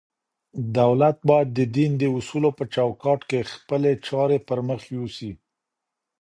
دولت بايد د دين د اصولو په چوکاټ کي خپلي چارې پر مخ يوسي.